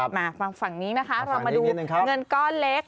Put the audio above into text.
มาฟังฝั่งนี้นะคะเรามาดูเงินก้อนเล็ก